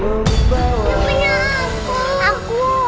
ini punya aku aku